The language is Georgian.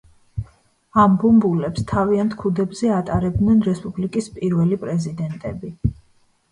ამ ბუმბულებს თავიანთ ქუდებზე ატარებდნენ რესპუბლიკის პირველი პრეზიდენტები.